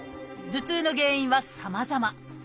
頭痛の原因はさまざま。